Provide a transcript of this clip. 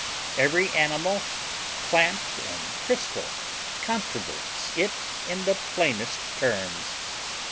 Every animal, plant, and crystal controverts it in the plainest terms.